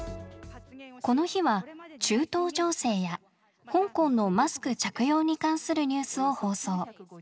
この日は中東情勢や香港のマスク着用に関するニュースを放送。